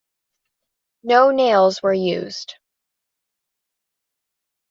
No nails were used.